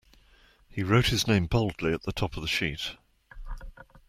He wrote his name boldly at the top of the sheet.